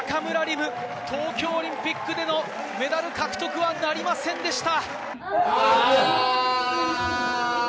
夢、東京オリンピックでのメダル獲得はなりませんでした。